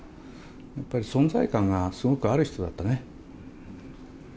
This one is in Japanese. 存在感がすごくある人だったね。